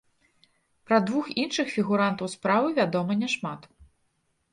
Пра двух іншых фігурантаў справы вядома няшмат.